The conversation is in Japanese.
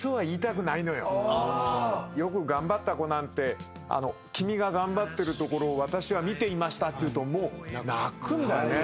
よく頑張った子なんて「君が頑張ってるところを私は見ていました」って言うと泣くんだよね。